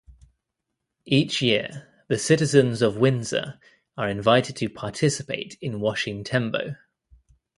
Each year, the citizens of Windsor are invited to participate in washing "Tembo".